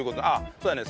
そうだね。